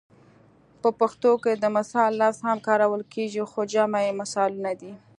په پښتو کې د مثال لفظ هم کارول کیږي خو جمع یې مثالونه ده